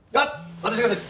私が出る。